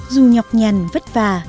dù nhọc nhằn vất vả